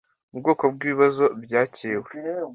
ubwoko bw ibibazo byakiriwe